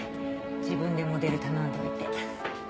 自分でモデル頼んでおいて。